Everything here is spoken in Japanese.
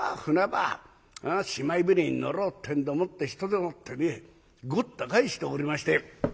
船に乗ろうってんでもって人でもってねごった返しておりまして。